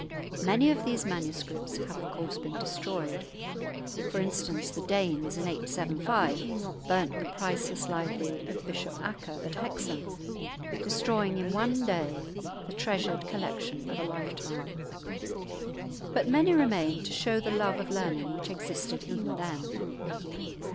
Many of these manuscripts have, of course, been destroyed; for instance, the Danes in 875 burnt the priceless library of Bishop Acca at Hexham, destroying in one day the treasured collection of a lifetime; but many remain to show the love of learning which existed even then.